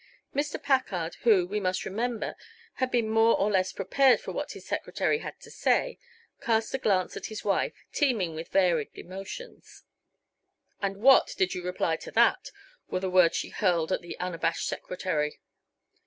Mr. Packard, who, we must remember, had been more or less prepared for what his secretary had to say, cast a glance at his wife, teeming with varied emotions. "And what did you reply to that?" were the words she hurled at the unabashed secretary.